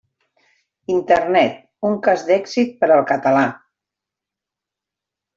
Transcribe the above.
Internet, un cas d'èxit per al català.